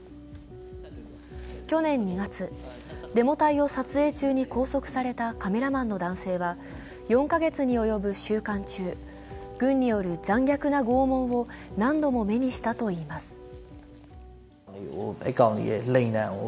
去年２月、デモ隊を撮影中に拘束されたカメラマンの男性は、４カ月に及ぶ収監中、軍による残虐な拷問を何度も目にしたといいます。